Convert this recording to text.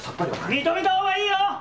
認めた方がいいよ！